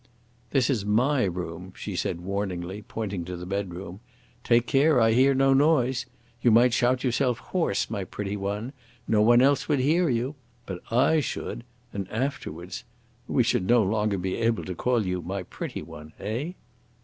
"This is my room," she said warningly, pointing to the bedroom. "Take care I hear no noise. You might shout yourself hoarse, my pretty one; no one else would hear you. But I should, and afterwards we should no longer be able to call you 'my pretty one,' eh?"